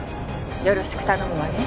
よろしく頼むわね。